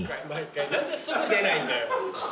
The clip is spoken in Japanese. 何ですぐ出ないんだよ。